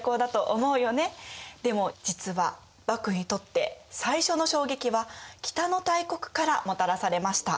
でも実は幕府にとって最初の衝撃は北の大国からもたらされました。